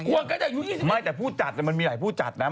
พวงกันตั้งแต่อายุ๒๐กว่าไม่แต่ผู้จัดมันมีหลายผู้จัดนะ